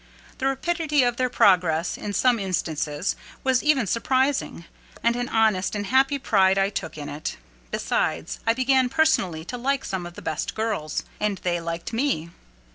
The rapidity of their progress, in some instances, was even surprising; and an honest and happy pride I took in it: besides, I began personally to like some of the best girls; and they liked me.